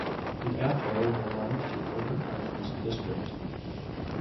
The atoll belongs to Outer Islands District.